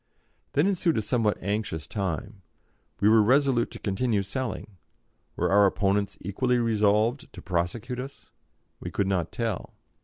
Then ensued a somewhat anxious time. We were resolute to continue selling; were our opponents equally resolved to prosecute us? We could not tell.